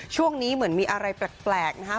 ช่วงนี้เหมือนมีอะไรแปลกนะฮะ